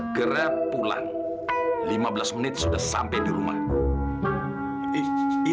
rocky broadway pulang segara pulang lima belas menit sudah sampai di rumah